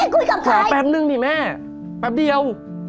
แล้วแกคุยกับใครแปปนึงดิแม่แปปเดียว